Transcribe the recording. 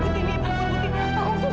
butini tolong butin tolong susah